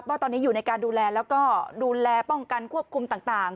ว่าตอนนี้อยู่ในการดูแลแล้วก็ดูแลป้องกันควบคุมต่าง